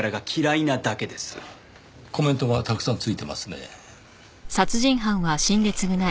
コメントがたくさんついてますねぇ。